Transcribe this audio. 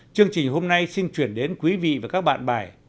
chương trình hôm nay xin chuyển đến quý vị và các bạn bài